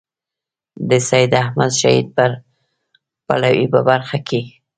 د سید احمد شهید برېلوي په برخه کې.